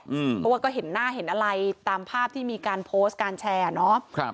เพราะว่าก็เห็นหน้าเห็นอะไรตามภาพที่มีการโพสต์การแชร์อ่ะเนาะ